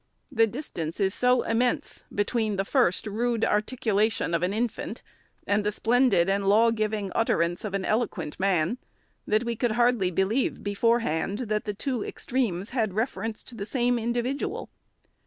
The distance is so immense be tween the first, rude articulation of an infant, and the splendid and law giving utterance of an eloquent man, that we could hardly believe, beforehand, that the two extremes had reference to the same individual.